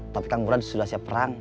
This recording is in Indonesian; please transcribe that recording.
tapi kang burad sudah siap perang